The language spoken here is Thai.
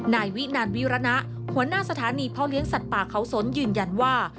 นายวินานวิรณะหัวหน้าสถานีพ่อเลี้ยงสัตว์ป่าเขาสนยืนยันว่า